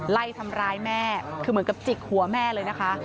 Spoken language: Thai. ไล่ทำร้ายแม่คือเหมือนกับจิกหัวแม่เลยนะคะ